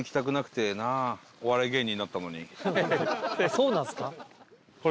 そうなんすか？